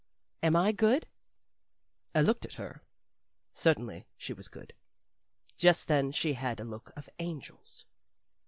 am I good?" I looked at her. Certainly she was good. Just then she had a look of angels.